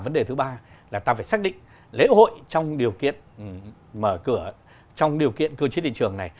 vấn đề thứ ba là ta phải xác định lễ hội trong điều kiện mở cửa trong điều kiện cơ chế thị trường này